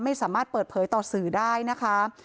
ไม่สามารถเปิดเผยต่อสื่อได้นะคะ